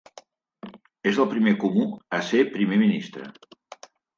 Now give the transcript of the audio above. És el primer comú a ser Primer ministre.